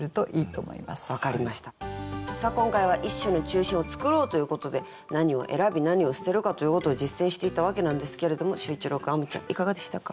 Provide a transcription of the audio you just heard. さあ今回は「一首の中心を創ろう」ということで何を選び何を捨てるかということを実践していたわけなんですけれども秀一郎君あむちゃんいかがでしたか？